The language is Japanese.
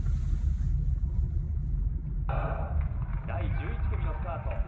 第１１組スタート。